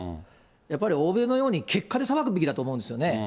やっぱり欧米のように、結果で裁くべきだと思うんですね。